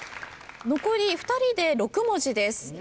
残り２人で６文字です。